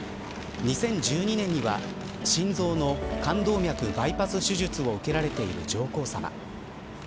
２０１２年には心臓の冠動脈バイパス手術を受けられている上皇さま。